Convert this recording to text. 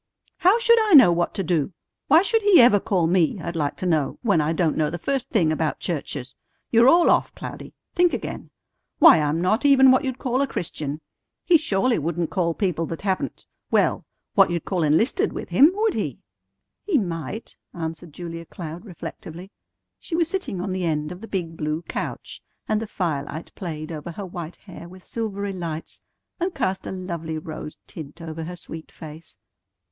How should I know what to do? Why should He ever call me, I'd like to know, when I don't know the first thing about churches? You're all off, Cloudy. Think again. Why, I'm not even what you'd call a Christian. He surely wouldn't call people that haven't well, what you'd call enlisted with Him, would He?" "He might," answered Julia Cloud reflectively. She was sitting on the end of the big blue couch, and the firelight played over her white hair with silvery lights, and cast a lovely rose tint over her sweet face.